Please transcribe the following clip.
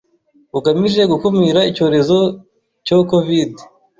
bugamije gukumira icyorezo cyo Covide.